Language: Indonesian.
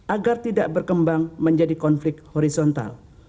agar tidak berkembang menjadi konflik horizontal